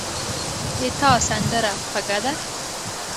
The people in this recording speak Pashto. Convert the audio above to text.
د تا سندره خوږه ده